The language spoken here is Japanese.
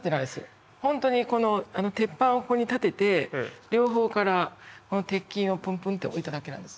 本当にこの鉄板をここに立てて両方からこの鉄筋をポンポンって置いただけなんです。